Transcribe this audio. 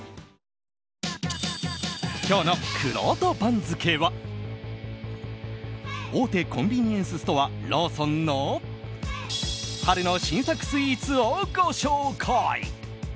今日のくろうと番付は大手コンビニエンスストアローソンの春の新作スイーツをご紹介！